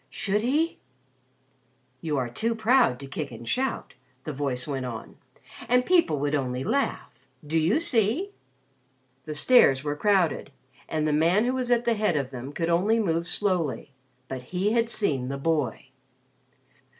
Should he ? "You are too proud to kick and shout," the voice went on. "And people would only laugh. Do you see?" The stairs were crowded and the man who was at the head of them could only move slowly. But he had seen the boy.